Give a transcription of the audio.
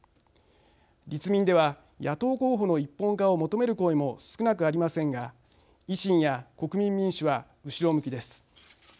立民では野党候補の一本化を求める声も少なくありませんが維新や国民民主は後ろ向きです。